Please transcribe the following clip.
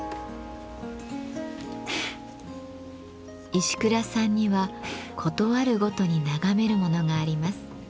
石倉さんには事あるごとに眺めるものがあります。